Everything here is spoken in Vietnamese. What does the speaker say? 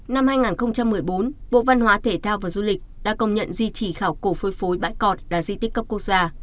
năm hai nghìn một mươi bốn bộ văn hóa thể thao và du lịch đã công nhận di trì khảo cổ phân phối bãi cọt là di tích cấp quốc gia